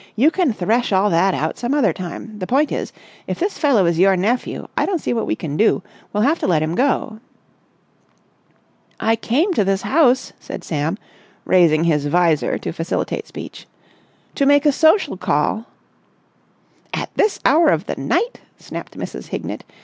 "You can thresh all that out some other time. The point is, if this fellow is your nephew, I don't see what we can do. We'll have to let him go." "I came to this house," said Sam, raising his vizor to facilitate speech, "to make a social call...." "At this hour of the night!" snapped Mrs. Hignett.